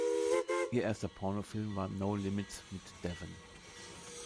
Ihr erster Pornofilm war "No Limits" mit Devon.